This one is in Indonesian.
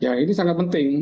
ya ini sangat penting